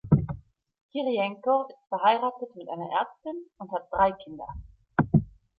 Kirijenko ist verheiratet mit einer Ärztin und hat drei Kinder.